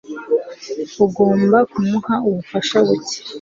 Ugomba kumuha ubufasha buke.